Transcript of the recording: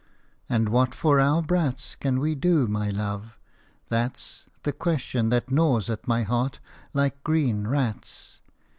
And what for our brats Can we do, my love ? That 's The question that gnaws at my heart ' like green rats